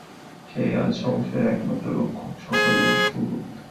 সেই আজ সংসারের একমাত্র রক্ষক, সকলের সুহৃৎ।